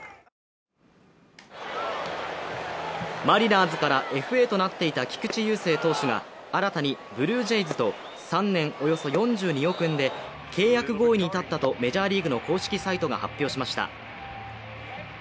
マリナーズからＦＡとなっていた菊池雄星投手が新たにブルージェイズと３年およそ４２億円で契約合意に至ったとメジャーリーグの公式サイトが発表しました。